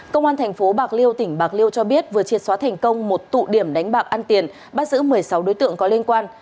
cơ quan thành phố bạc liêu tỉnh bạc liêu cho biết vừa triệt xóa thành công một tụ điểm đánh bạc ăn tiền bắt giữ một mươi sáu đối tượng có liên quan